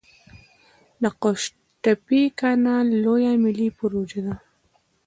د قوش تیپې کانال لویه ملي پروژه ده